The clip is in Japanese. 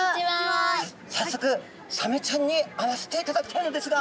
早速サメちゃんに会わせていただきたいのですが！